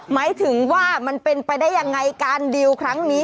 หมายถึงว่ามันเป็นไปได้ยังไงการดีลครั้งนี้